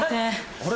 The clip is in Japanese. あれ？